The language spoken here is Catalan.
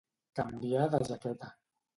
Canviar de jaqueta.